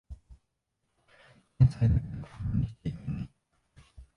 天才だけどマネしちゃいけない